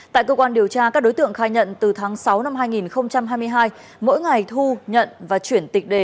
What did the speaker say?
tại cơ quan điều tra các đối tượng khai nhận từ tháng sáu năm hai nghìn hai mươi hai mỗi ngày thu nhận và chuyển tịch đề